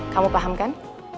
kamu paham kan